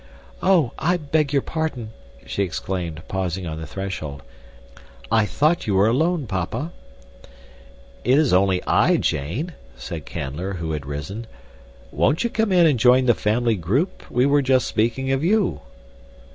"Oh, I beg your pardon!" she exclaimed, pausing on the threshold. "I thought you were alone, papa." "It is only I, Jane," said Canler, who had risen, "won't you come in and join the family group? We were just speaking of you."